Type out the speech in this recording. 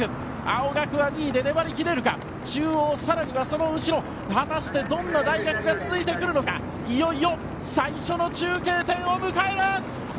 青学は２位で粘り切れるか中央、更にその後ろにどんな大学が続いてくるかいよいよ最初の中継点を迎えます。